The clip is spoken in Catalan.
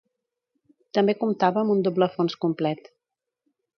També comptava amb un doble fons complet.